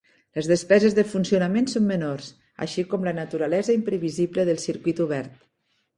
Les despeses de funcionament són menors, així com la naturalesa imprevisible del circuit obert.